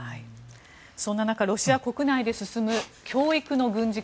そんな中ロシア国内で進む教育の軍事化。